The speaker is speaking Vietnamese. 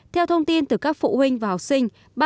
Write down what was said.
theo thông tin từ các phụ huynh và học sinh